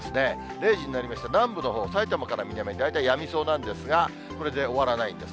０時になりまして、南部のほう、埼玉から南、大体やみそうなんですが、これで終わらないんです。